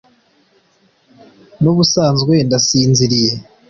n’ubusanzwe ndasinziriye